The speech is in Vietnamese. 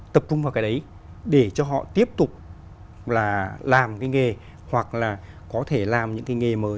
tập trung vào cái đấy để cho họ tiếp tục là làm cái nghề hoặc là có thể làm những cái nghề mới